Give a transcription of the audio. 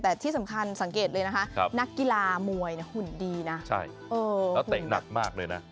แต่ที่สำคัญสังเกตเลยนะคะนักกีฬามวยหุ่นดีนะใช่แล้วเตะหนักมากเลยนะ